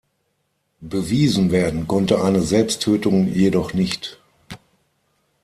Bewiesen werden konnte eine Selbsttötung jedoch nicht.